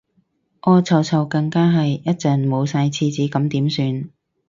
屙臭臭更加係，一陣冇晒廁紙咁點算